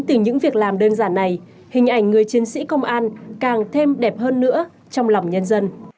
thì đoàn viên thanh niên công an phường đã lập tức có mặt